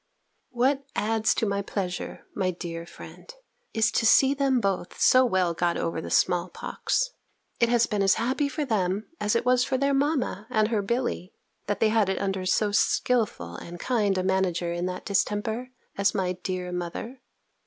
What adds to my pleasure, my dear friend, is to see them both so well got over the small pox. It has been as happy for them, as it was for their mamma and her Billy, that they had it under so skilful and kind a manager in that distemper, as my dear mother.